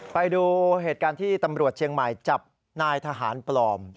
ไปดูเหตุการณ์ที่ตำรวจเชียงใหม่จับนายทหารปลอม